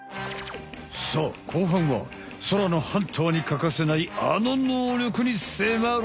さあ後半は空のハンターに欠かせないあの能力にせまる！